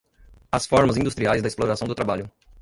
às formas industriais da exploração do trabalho